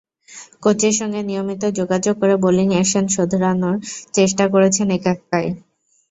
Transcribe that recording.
কোচের সঙ্গে নিয়মিত যোগাযোগ করে বোলিং অ্যাকশন শোধরানোর চেষ্টা করেছেন একা একাই।